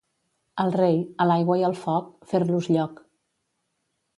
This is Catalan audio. Al rei, a l'aigua i al foc, fer-los lloc.